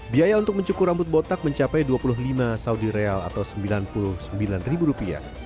biaya untuk mencukur rambut botak mencapai dua puluh lima saudi real atau sembilan puluh sembilan ribu rupiah